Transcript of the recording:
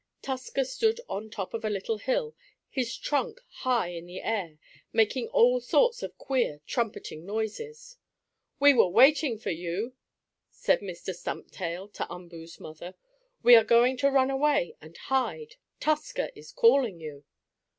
Tusker stood on top of a little hill, his trunk high in the air, making all sorts of queer, trumpeting noises. "We were waiting for you," said Mr. Stumptail to Umboo's mother. "We are going to run away and hide. Tusker is calling you."